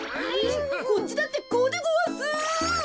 こっちだってこうでごわす。